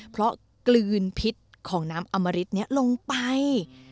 เพราะกลืนพิษของน้ำอมริตนี้ลงไป